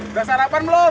udah sarapan belum